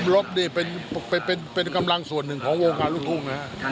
ลบนี่เป็นกำลังส่วนหนึ่งของวงการลูกทุ่งนะครับ